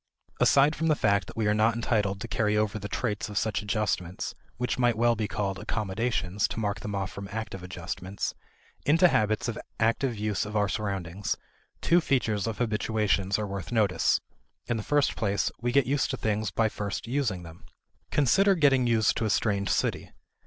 Aside from the fact that we are not entitled to carry over the traits of such adjustments (which might well be called accommodations, to mark them off from active adjustments) into habits of active use of our surroundings, two features of habituations are worth notice. In the first place, we get used to things by first using them. Consider getting used to a strange city.